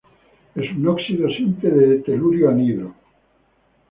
Es un óxido simple de telurio, anhidro.